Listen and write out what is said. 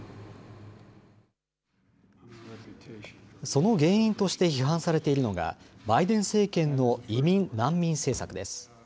その原因として批判されているのが、バイデン政権の移民・難民政策です。